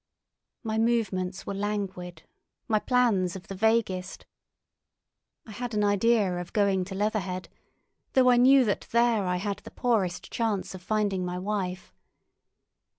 My movements were languid, my plans of the vaguest. I had an idea of going to Leatherhead, though I knew that there I had the poorest chance of finding my wife.